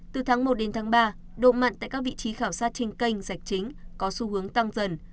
từ tháng một đến tháng ba độ mặn tại các vị trí khảo sát trên kênh rạch chính có xu hướng tăng dần